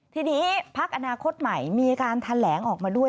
ทีนี้พักอนาคตใหม่มีการแถลงออกมาด้วย